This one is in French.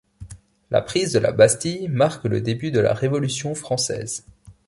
La prise de la Bastille marque le début de la Révolution française.